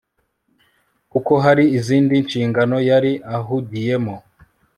kuko hari izindi nshingano yari ahugiyemo